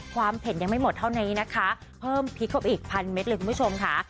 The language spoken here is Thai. เผ็ดยังไม่หมดเท่านี้นะคะเพิ่มพริกเข้าไปอีกพันเม็ดเลยคุณผู้ชมค่ะ